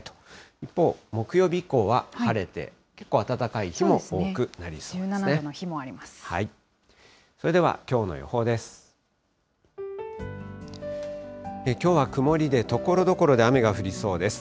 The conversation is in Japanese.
一方、木曜日以降は晴れて、結構暖かい日も多くなりそうですね。